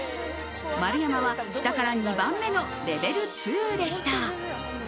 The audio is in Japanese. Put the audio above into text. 丸山は下から２番目のレベル２でした。